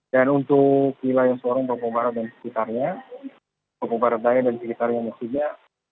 dan untuk hilal yang sorong bapak barat dan sekitarnya bapak barat dayah dan sekitarnya juga